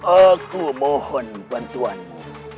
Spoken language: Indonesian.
aku mohon bantuanmu